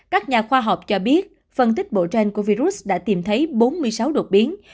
các nhà khoa học cho biết phân tích bộ gen của virus đã tìm thấy bốn mươi sáu đột biến